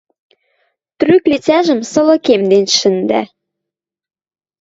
Трӱк лицӓжӹм сылыкемден шӹндӓ